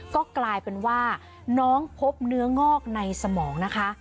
ก็กลายเป็นว่าน้องพบเนื้องอกในสมองนะคะ